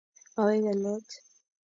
Mewege let